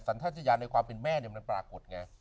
สันทัศน์จริยาในความเป็นแม่มันปรากฏไง